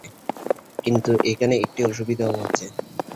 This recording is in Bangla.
কিন্তু এখানে একটি অসুবিধাও আছে।